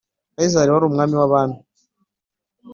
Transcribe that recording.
Kayisari yari umwami wabami.